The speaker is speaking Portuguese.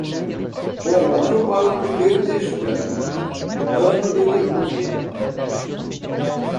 Bom ano para o primeiro de junho, ano de legume.